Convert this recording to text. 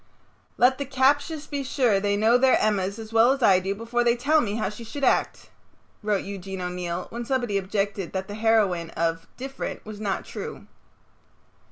"Let the captious be sure they know their Emmas as well as I do before they tell me how she would act," wrote Eugene O'Neill when somebody objected that the heroine of "Diff'rent" was not true.